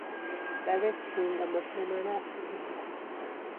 Daw'echunga mapemba na lungo